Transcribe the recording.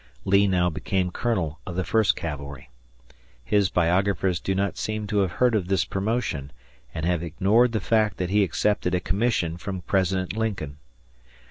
Lee now became colonel of the First Cavalry. His biographers do not seem to have heard of this promotion and have ignored the fact that he accepted a commission from President Lincoln.